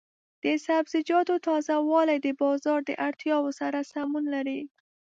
د سبزیجاتو تازه والي د بازار د اړتیاوو سره سمون لري.